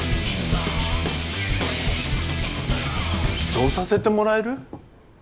そうさせてもらえる？